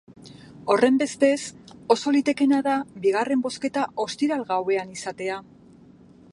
Horrenbestez, oso litekeena da bigarren bozketa ostiral gauean izatea.